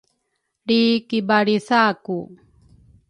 lri kibalritha ku